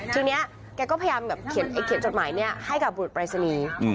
ทีนี้แกก็พยายามแบบเขียนจดหมายนี้ให้กับบุรุษปรายศนีย์